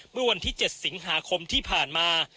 เมื่อวันที่๗สิงหาคมที่ผ่านมา